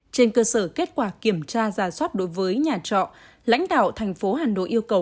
trên cơ sở kết quả kiểm tra ra sót đối với nhà trọ lãnh đạo tp hà nội yêu cầu